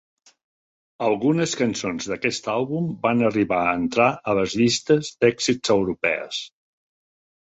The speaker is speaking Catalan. Algunes cançons d'aquest àlbum van arribar a entrar a las llistes d'èxits europees.